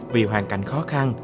vì hoàn cảnh khó khăn